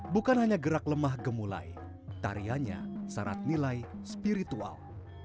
bukan hanya gerak lemah gemulai tarianya sangat nilai spiritual